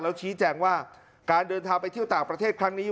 ชี้แจงว่าการเดินทางไปเที่ยวต่างประเทศครั้งนี้